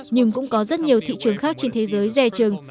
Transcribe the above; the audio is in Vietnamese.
nhưng cũng có rất nhiều thị trường khác trên thế giới dè trừng